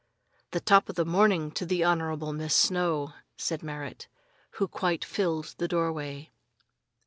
"The top of the morning to the honorable Miss Snow," said Merrit, who quite filled the doorway.